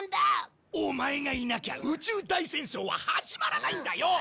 オマエがいなきゃ宇宙大戦争は始まらないんだよ！